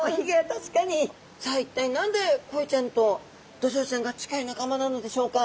さあ一体何でコイちゃんとドジョウちゃんが近い仲間なのでしょうか。